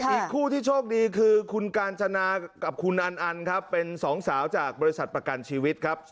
อีกคู่ที่โชคดีคือคุณกาญจนากับคุณอันอันครับเป็นสองสาวจากบริษัทประกันชีวิตครับ